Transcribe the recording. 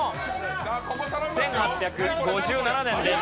１８５７年です。